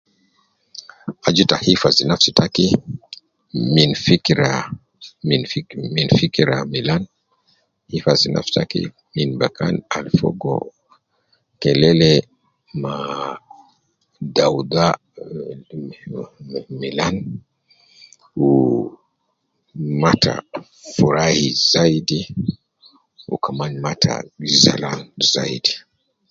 Aju ta hifazi nafsi taki min fikira, min fiki min fikira milan, hifazi nafsi taki min bakan al fogo, kelele maa daudha me me milan ,wu mata furai zaidi, wu kaman mata zalan zaidi